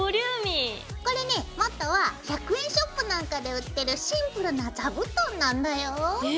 これねもとは１００円ショップなんかで売ってるシンプルな座布団なんだよ。え？